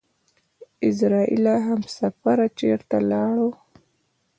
اعزرائيله همسفره چېرته لاړو؟!